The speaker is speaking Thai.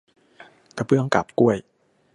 กระเบื้องกาบกล้วย